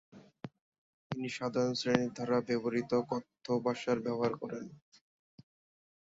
তিনি সাধারণ শ্রেণীর দ্বারা ব্যবহৃত কথ্য ভাষার ব্যবহার করেন।